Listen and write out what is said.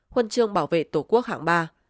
huân chương bảo vệ tổ quốc hạng ba